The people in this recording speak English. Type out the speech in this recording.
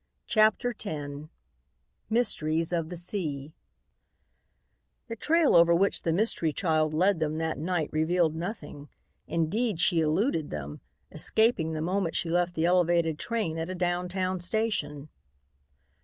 CHAPTER X MYSTERIES OF THE SEA The trail over which the mystery child led them that night revealed nothing. Indeed, she eluded them, escaping the moment she left the elevated train at a down town station.